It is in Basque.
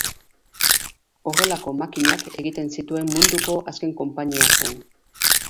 Horrelako makinak egiten zituen munduko azken konpainia zen.